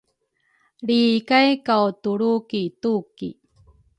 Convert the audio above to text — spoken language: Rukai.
Lri ikay kaw tulru ki tuki